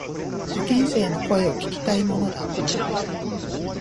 受験生の声を聞きたいものだ。